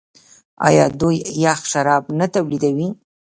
آیا دوی یخ شراب نه تولیدوي؟